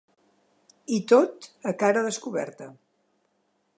I tot a cara descoberta.